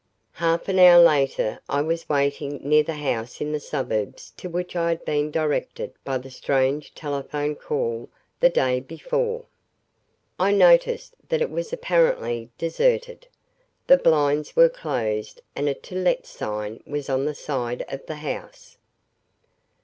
........ Half an hour later I was waiting near the house in the suburbs to which I had been directed by the strange telephone call the day before. I noticed that it was apparently deserted. The blinds were closed and a "To Let" sign was on the side of the house.